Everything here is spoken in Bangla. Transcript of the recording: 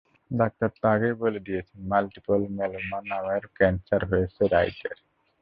ডাক্তার তো আগেই বলে দিয়েছেন, মাল্টিপল মেলোমা নামের ক্যানসার হয়েছে রাইটের।